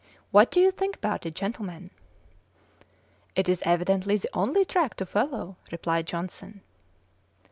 What do you think about it, gentlemen?" "It is evidently the only track to follow," replied Johnson.